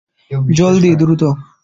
জলদি, দ্রুত।